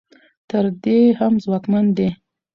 تر دې هم ځواکمن دي.